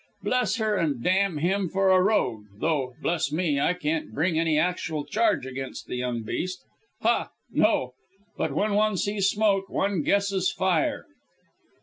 Bless her, and damn him for a rogue, though, bless me, I can't bring any actual charge against the young beast. Ha, no! but when one sees smoke, one guesses fire."